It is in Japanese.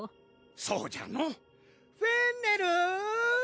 そうじゃのフェンネル！